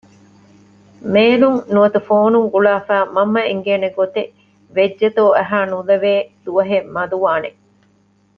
މޭލުން ނުވަތަ ފޯނުން ގުޅާފައި މަންމަ އެނގޭނެ ގޮތެއް ވެއްޖެތޯ އަހައިނުލެވޭ ދުވަހެއް މަދުވާނެ